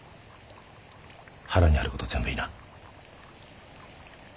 腹にある事全部言いな。